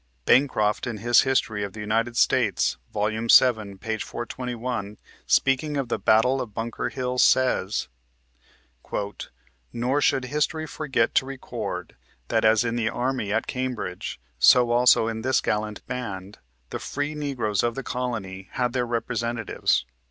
Bancroft in his History of the United States, vol. vii., p. 421, speaking of the Battle of Bunker Hill, says :" Nor should history forget to record, that as in the army at Cam bridge, so also in this gallant band, the free Negroes of the colony had their representatives.